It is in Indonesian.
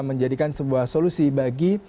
menjadikan sebuah solusi bagi